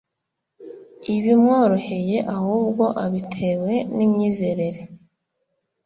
ibimworoheye ahubwo abitewe n imyizerere